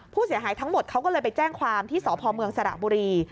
ผู้เสียหายทั้งหมดเขาก็เลยไปแจ้งความที่สพเมืองสระบุรี